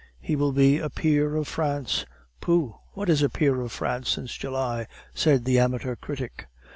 "He will be a peer of France." "Pooh! what is a peer of France since July?" said the amateur critic.